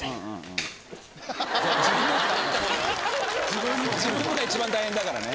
自分のが一番大変だからね。